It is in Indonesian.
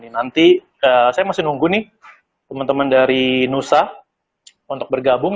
nanti saya masih nunggu nih teman teman dari nusa untuk bergabung